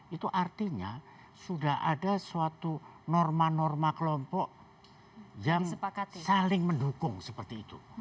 itu artinya sudah ada suatu norma norma kelompok yang saling mendukung seperti itu